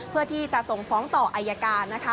เพื่อที่จะส่งฟ้องต่ออายการนะคะ